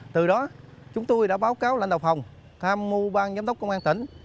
từ đó chúng tôi đã báo cáo lãnh đạo phòng tham mưu bang giám đốc công an tỉnh